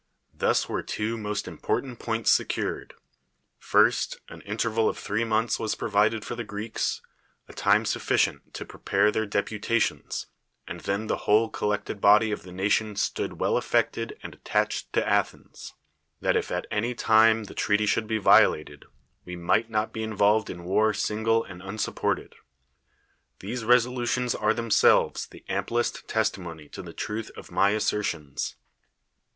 Thus were two most important points secured : First, an interval of three months was ]>rovided for the Greeks — a time sufficient to l)repare their deputations; and then the whole; collected body of the nation stood well affected ami attached to Athens, that if at any time tl\e tr(>aty should be violated, we might not bti iiuolved in war single and unsupported. These ^solutions are themselves the amplest testimony to the truth of my assertions.